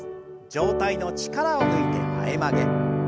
上体の力を抜いて前曲げ。